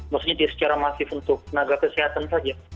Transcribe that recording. maksudnya dia secara masif untuk tenaga kesehatan saja